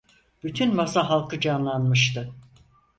Bütün masa halkı canlanmıştı.